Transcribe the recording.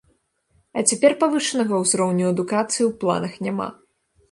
А цяпер павышанага ўзроўню адукацыі ў планах няма.